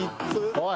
おい！